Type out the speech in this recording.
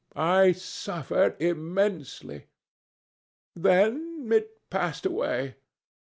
I suffered immensely. Then it passed away.